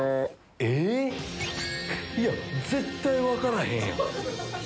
えぇ⁉いや絶対分からへんやん。